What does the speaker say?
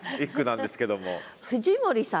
藤森さん。